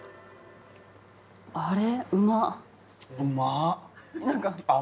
あれ？